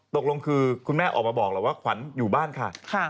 ตกลงคือคุณแม่ออกมาบอกแล้วว่าขวัญอยู่บ้านค่ะ